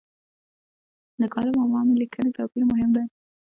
د کالم او عامې لیکنې توپیر مهم دی.